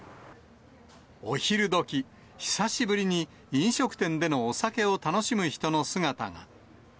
お昼どき、久しぶりに飲食店でのお酒を楽しむ人の姿が。